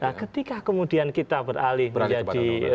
nah ketika kemudian kita beralih menjadi